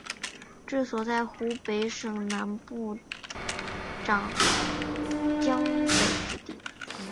治所在湖北省东部长江北之地。